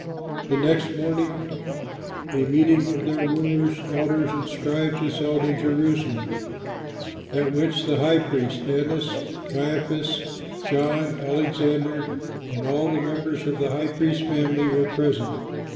The next morning a meeting of their rulers, elders and scribes was held in Jerusalem at which the high priest Annas, and Caiaphas, John, Alexander and all the members of the high priest's family were present.